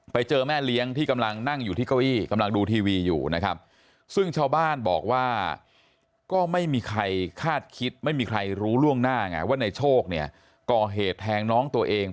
ไปเจอแม่เลี้ยงที่กำลังนั่งอยู่ที่เก้าอี้กำลังดูทีวีอยู่นะครับซึ่งชาวบ้านบอกว่าก็ไม่มีใครคาดคิดไม่มีใครรู้ล่วงหน้าไงว่าในโชคเนี่ยก่อเหตุแทงน้องตัวเอง